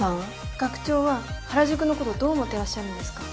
学長は原宿のことどう思ってらっしゃるんですか？